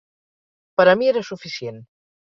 Per a mi era suficient.